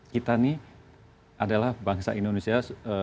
kita nih adalah bangsa indonesia